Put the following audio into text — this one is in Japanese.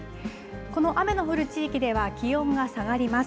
この雨の降る地域では気温が下がります。